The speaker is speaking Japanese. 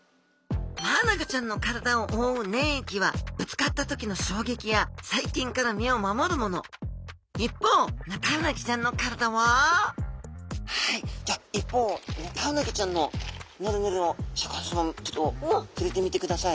マアナゴちゃんの体をおおう粘液はぶつかった時の衝撃や細菌から身を守るもの一方ヌタウナギちゃんの体ははいじゃあ一方ヌタウナギちゃんのヌルヌルをシャーク香音さま